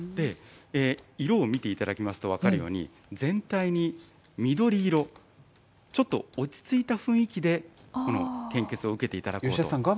色を見ていただきますと分かるように、全体に緑色、ちょっと落ち着いた雰囲気で、献血を受けていただこうと。